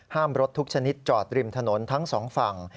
รถทุกชนิดจอดริมถนนทั้งสองฝั่ง